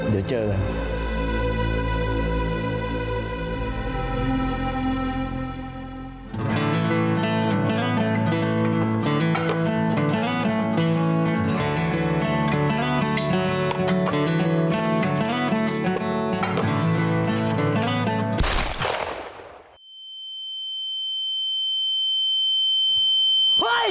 เดี๋ยวเจอกัน